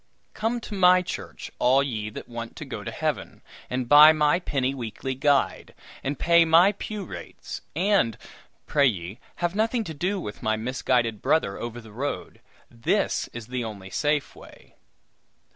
"Come to my church, all ye that want to go to Heaven, and buy my penny weekly guide, and pay my pew rates; and, pray ye, have nothing to do with my misguided brother over the road. This is the only safe way!"